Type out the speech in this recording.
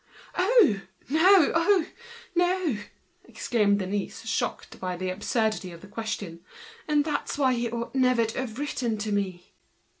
"Oh! No, oh! no," exclaimed the young girl, shocked by the absurdity of the question, "and that's why he ought not to have written to me."